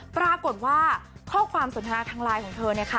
ปรากฏว่าข้อความสนทนาทางไลน์ของเธอเนี่ยค่ะ